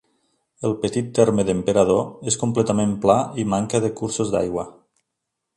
El petit terme d'Emperador és completament pla i manca de cursos d'aigua.